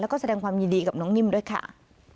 แล้วก็แสดงความยินดีกับน้องนิ่มด้วยค่ะ